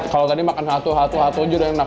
kalau tadi makan satu satu saja sudah enak